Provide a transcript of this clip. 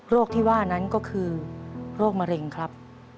ที่ว่านั้นก็คือโรคมะเร็งครับ